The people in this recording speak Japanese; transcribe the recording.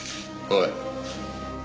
おい。